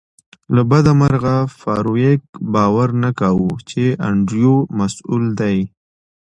له بده مرغه فارویک باور نه کاوه چې انډریو مسؤل دی